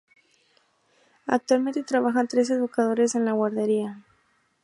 Actualmente trabajan tres educadores en la guardería.